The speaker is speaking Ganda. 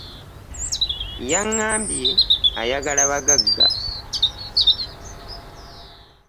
Yangambye ayagala bagagga.